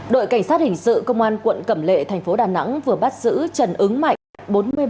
đội cảnh sát hình sự công an quận cẩm lệ thành phố đà nẵng vừa bắt giữ trần ứng mạnh